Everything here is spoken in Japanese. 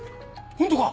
本当か！